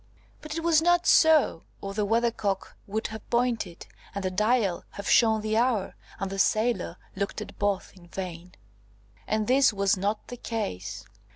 But it was not so, or the Weathercock would have pointed, and the Dial have shown the hour, and the sailor looked at both in vain. And this was not the case!